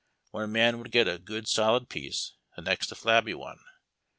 One man would get a good solid piece, the next a flabby one.